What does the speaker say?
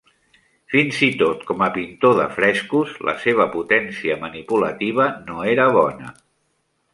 Fins i tot com a pintor de frescos, la seva potència manipulativa no era bona.